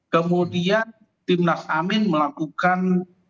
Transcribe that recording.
kemudian tim nas amin melakukan